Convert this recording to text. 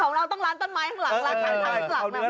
ของเราต้องล้านต้นไม้ข้างหลัง